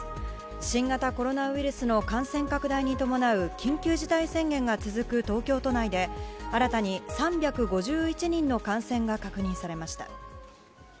新型コロナウイルスの感染拡大に伴う緊急事態宣言が続く東京都内で新たに３５１人の感染が確認されました。